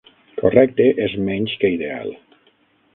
Correcte és menys que ideal.